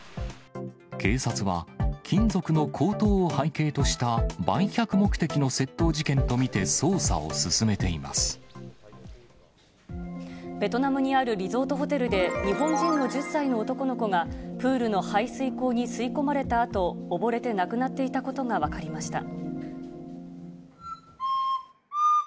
警察は、金属の高騰を背景とした売却目的の窃盗事件と見て、捜査を進めてベトナムにあるリゾートホテルで、日本人の１０歳の男の子が、プールの排水溝に吸い込まれたあと、溺れて亡くなっていたことが分かりました。